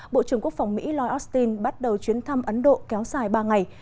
bộ trưởng quốc phòng mỹ lloyd austin bắt đầu chuyến thăm ấn độ kéo dài ba ngày